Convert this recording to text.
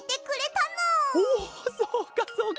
おそうかそうか！